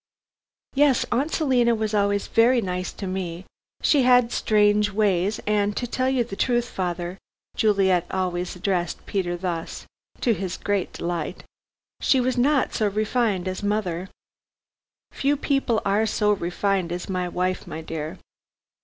"Yes, Aunt Selina was always very nice to me. She had strange ways, and, to tell you the truth, father," Juliet always addressed Peter thus, to his great delight, "she was not so refined as mother " "Few people are so refined as my wife, my dear."